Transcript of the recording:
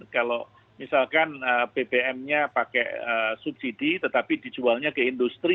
kalau misalkan bbm nya pakai subsidi tetapi dijualnya ke industri